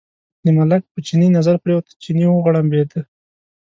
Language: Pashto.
د ملک په چیني نظر پرېوت، چیني وغړمبېد.